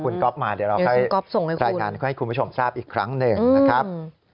คุณก๊อฟมาเดี๋ยวเราให้รายงานให้คุณผู้ชมทราบอีกครั้งหนึ่งนะครับ